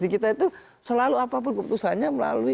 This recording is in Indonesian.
di kita itu selalu apapun keputusannya melalui